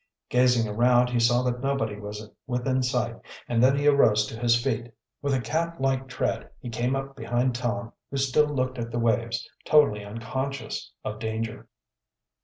Gazing around he saw that nobody was within sight and then he arose to his feet. With a cat like tread he came up behind Tom, who still looked at the waves, totally unconscious of danger.